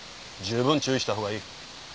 十分注意したほうがいい。